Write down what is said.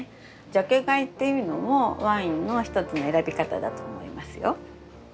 ジャケ買いっていうのもワインの一つの選び方だと思いますよ。